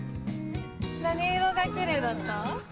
何色がきれいだった？